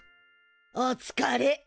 おつかれ。